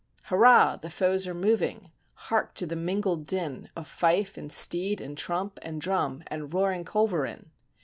Hurrah! the foes are moving! Hark to the mingled din Of fife, and steed, and trump, and drum, and roaring culverin